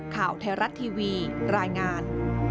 ข่าวแทรศทีวีรายงาน